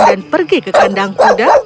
dan pergi ke kandang kuda